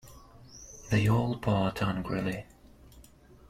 They all part angrily.